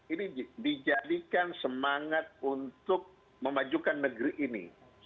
ini dijadikan semangat untuk memajukan negeri ini